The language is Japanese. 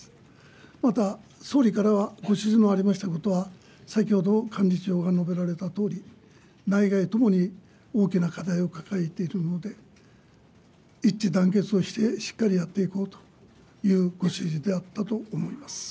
また、総理からはご指示のありましたことは、先ほど幹事長が述べられたとおり、内外ともに大きな課題を抱えているので、一致団結をしてしっかりやっていこうというご指示であったと思います。